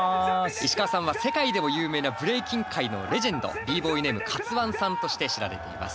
石川さんは世界でも有名なブレイキン界のレジェンドＢ−ＢＯＹネームＫＡＴＳＵＯＮＥさんとして知られています。